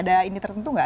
ada ini tertentu gak